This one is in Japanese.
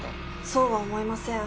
そうは思えません